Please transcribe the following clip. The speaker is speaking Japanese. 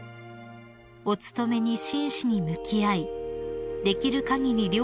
［「お務めに真摯に向き合いできる限り